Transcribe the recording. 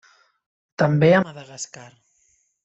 També a Madagascar.